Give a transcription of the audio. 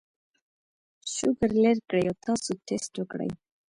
شوګر لر کړي او تاسو ټېسټ وکړئ